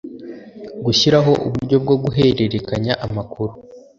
gushyiraho uburyo bwo guhererekanya amakuru